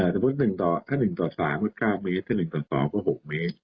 สมมุติถ้า๑ต่อ๓ก็๙เมตรถ้า๑ต่อ๒ก็๖เมตร